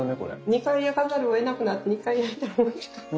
２回焼かざるをえなくなって２回焼いたらおいしかった。